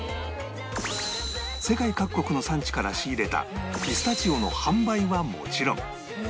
世界各国の産地から仕入れたピスタチオの販売はもちろん